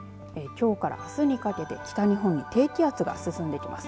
きょうからあすにかけて北日本に低気圧が進んできます。